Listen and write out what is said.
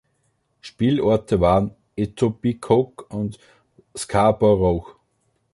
Spielorte waren Etobicoke und Scarborough.